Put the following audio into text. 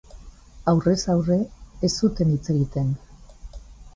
Aurrez-aurre ez zuten hitz egiten.